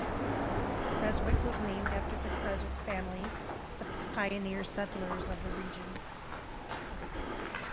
Creswick was named after the Creswick family, the pioneer settlers of the region.